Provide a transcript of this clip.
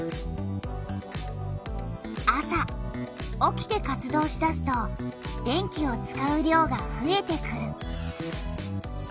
朝起きて活動しだすと電気を使う量がふえてくる。